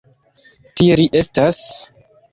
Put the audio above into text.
Tie li estas.